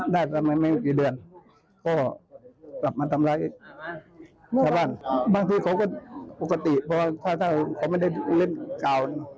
บางทีเขาก็ปกติเพราะว่าเขาไม่ได้เล่นกล่าว